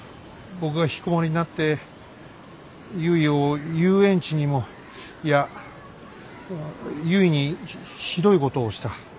僕がひきこもりになってゆいを遊園地にもいやゆいにひどいことをした。